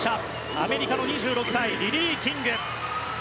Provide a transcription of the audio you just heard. アメリカの２６歳リリー・キング。